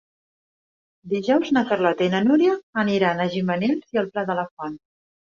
Dijous na Carlota i na Núria aniran a Gimenells i el Pla de la Font.